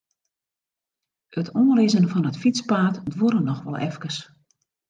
It oanlizzen fan it fytspaad duorre noch wol efkes.